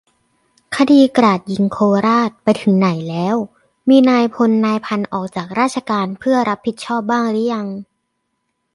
คดี"กราดยิงโคราช"ไปถึงไหนแล้ว ? มีนายพลนายพันออกจากราชการเพื่อรับผิดชอบบ้างหรือยัง ?